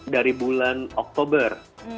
dari bulan oktober